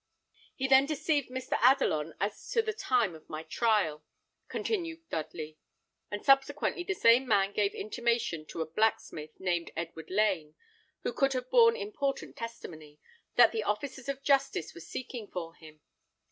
"He then deceived Mr. Adelon as to the time of my trial," continued Dudley; "and subsequently the same man gave intimation to a blacksmith, named Edward Lane, who could have borne important testimony, that the officers of justice were seeking for him.